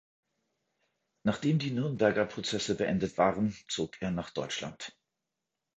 Nachdem die Nürnberger Prozesse beendet waren, zog er nach Deutschland.